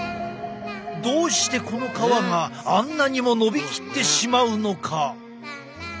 どうしてこの皮があんなにものびきってしまうのか？